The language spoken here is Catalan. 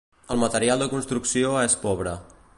El material de construcció és pobre.